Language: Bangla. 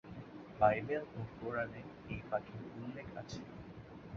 বাইবেল ও কুরআনে এই পাখির উল্লেখ আছে।